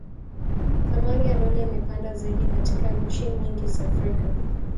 Thamani ya dola imepanda zaidi katika nchi nyingi za Afrika